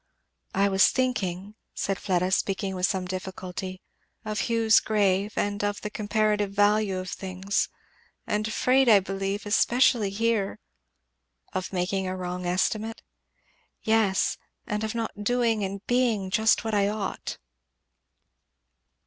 "I was thinking," said Fieda, speaking with some difficulty, "of Hugh's grave, and of the comparative value of things; and afraid, I believe, especially here " "Of making a wrong estimate?" "Yes and of not doing and being just what I ought."